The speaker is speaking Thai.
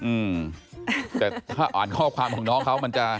อืมแต่ถ้าอ่านข้อความของน้องเขามันจะ